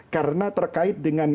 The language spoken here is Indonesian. karena terkait dengan